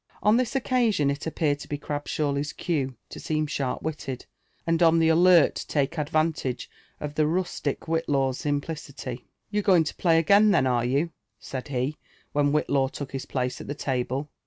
On this occasion, it appeared to be Crabsbawly's cue to seem sharp witted, and on the alert to take advantage of the ruatie Whillaw's simplicity. "You are going to play again, are you?" said he wheo Whitlaw took his place at the table.